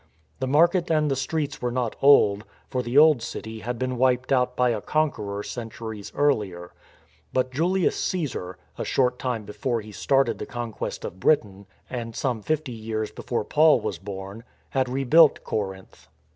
The market and the streets were not old, for the old city had been wiped out by a conqueror centuries earlier. But Julius Caesar — a short time before he started the conquest of Britain — and some fifty years before Paul was born — had rebuilt Corinth.